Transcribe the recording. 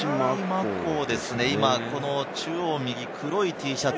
中央右、黒いＴシャツ。